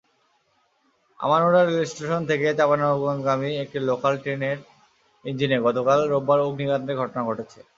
Amnura rail station থেকে চাঁপাইনবাবগঞ্জগামী একটি লোকাল ট্রেনের ইঞ্জিনে গতকাল রোববার অগ্নিকাণ্ডের ঘটনা ঘটেছে।